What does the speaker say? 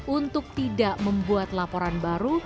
untuk tidak membuat laporan baru